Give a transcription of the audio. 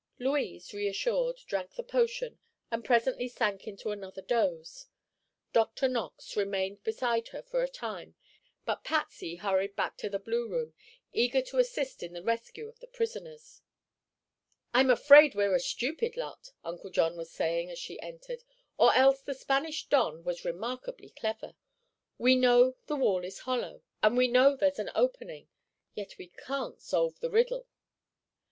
Louise, reassured, drank the potion and presently sank into another doze. Dr. Knox remained beside her for a time but Patsy hurried back to the blue room, eager to assist in the rescue of the prisoners. "I'm afraid we're a stupid lot," Uncle John was saying as she entered; "or else the Spanish don was remarkably clever. We know the wall is hollow, and we know there's an opening, yet we can't solve the riddle."